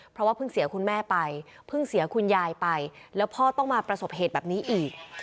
เพราะว่าเพิ่งเสียคุณแม่ไปเพิ่งเสียคุณยายไปแล้วพ่อต้องมาประสบเหตุแบบนี้อีก